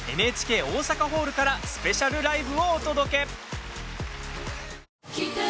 ＮＨＫ 大阪ホールからスペシャルライブをお届け！